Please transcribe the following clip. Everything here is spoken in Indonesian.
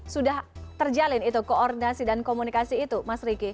sudah terjalin itu koordinasi dan komunikasi itu mas riki